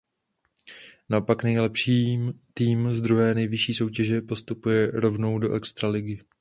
Naopak nejlepší tým z druhé nejvyšší soutěže postupuje rovnou do Extraligy.